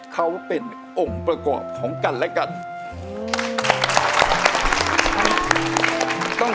เขาเป็นองค์ประกอบของกันและกัน